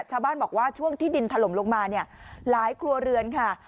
ชาวบ้านบอกว่าช่วงที่ดินถล่มลงมาเนี่ยหลายครัวเรือนค่ะ